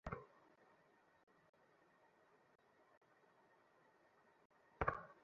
আমার বিশ্বাস যে, এই ঘরেই চুরি হওয়া প্রমাণ রয়েছে।